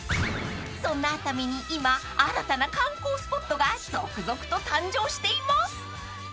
［そんな熱海に今新たな観光スポットが続々と誕生しています］